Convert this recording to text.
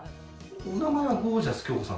お名前はゴージャス京子さん。